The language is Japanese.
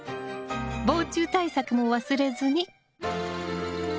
防虫対策も忘れずに！